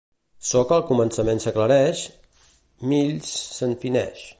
Ço que al començament s'esclareix, mills se'n fineix.